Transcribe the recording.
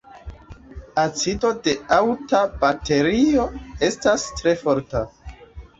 Acido de aŭta baterio estas tre forta.